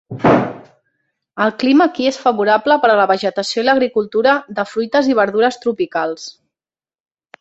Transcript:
El clima aquí és favorable per a la vegetació i l'agricultura de fruites i verdures tropicals.